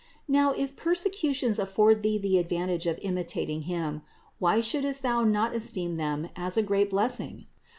Now, if per secutions afford thee the advantage of imitating Him, why shouldst thou not esteem them as a great blessing?